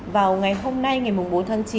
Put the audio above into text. vào ngày hôm nay ngày bốn tháng chín